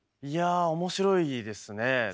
いや面白いですねえ。